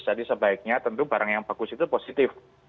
jadi sebaiknya tentu barang yang bagus itu positif